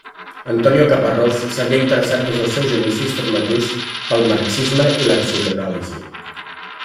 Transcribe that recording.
Antonio Caparrós s'havia interessat des dels seus inicis formatius pel marxisme i la psicoanàlisi.